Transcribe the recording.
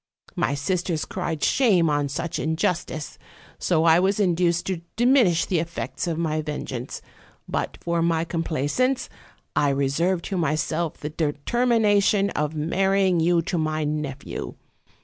My sisters cried shame on such injustice, so I was in duced to diminish the effects of my vengeance; but for my complaisance, I reserved to myself the determination of marrying you to my nephew.